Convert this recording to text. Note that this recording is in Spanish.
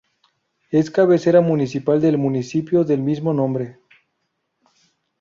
Es cabecera municipal de municipio del mismo nombre.